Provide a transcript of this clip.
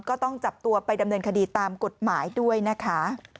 ก็ต้องจับตัวไปดำเนินคดีตามกฎหมายด้วยนะคะ